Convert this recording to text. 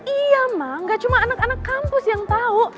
iya mam gak cuma anak anak kampus yang tau